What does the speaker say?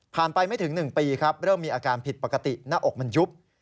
ไปไม่ถึง๑ปีครับเริ่มมีอาการผิดปกติหน้าอกมันยุบ